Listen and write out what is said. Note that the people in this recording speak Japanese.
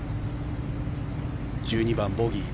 １２番、ボギー。